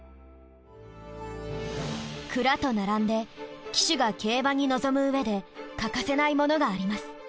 鞍と並んで騎手が競馬に臨むうえで欠かせないものがあります。